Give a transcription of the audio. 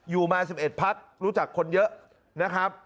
อยู่มา๑๑พักรู้จักคนเยอะนะครับ